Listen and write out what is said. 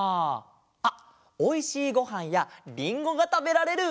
あっおいしいごはんやりんごがたべられる！